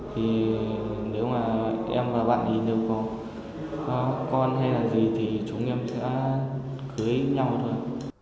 thì nếu mà em và bạn nhìn đều có con hay là gì thì chúng em sẽ cưới nhau thôi